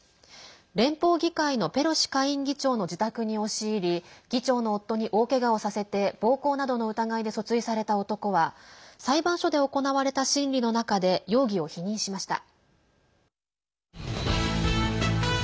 連邦議会のペロシ下院議長の自宅に押し入り議長の夫に大けがをさせて暴行などの疑いで訴追された男は裁判所で行われた審理の中で容疑を否認しました。